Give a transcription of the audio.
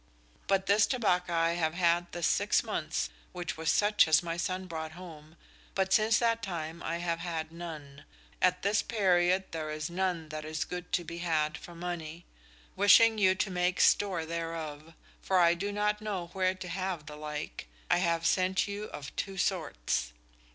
But this tobaca I have had this six months, which was such as my son brought home, but since that time I have had none. At this period there is none that is good to be had for money. Wishing you to make store thereof, for I do not know where to have the like, I have sent you of two sorts.